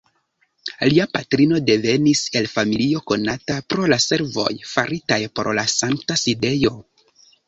Lia patrino devenis el familio konata pro la servoj faritaj por la Sankta Sidejo.